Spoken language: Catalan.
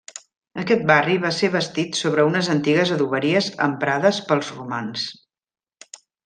Aquest barri va ser bastit sobre unes antigues adoberies emprades pels romans.